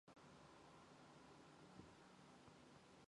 Түүний гялалзахыг үзээд тэвнэ өөрийгөө энгэрийн чимэг гэж нэрлээд ийн асуув.